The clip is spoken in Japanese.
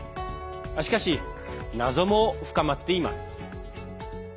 しかし、謎も深まっています。